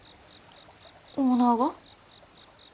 オーナーが？